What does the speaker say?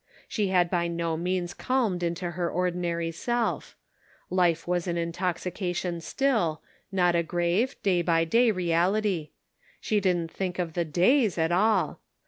She had by no means calmed into her ordinary self. Life was an intoxication still, not a grave, day by day reality. She didn't think of the days at all.